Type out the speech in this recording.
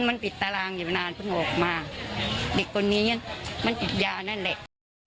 เมื่อนานเพิ่งออกมาเด็กตัวนี้มันติดยานั่นแหละ